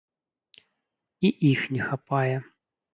І іх не хапае.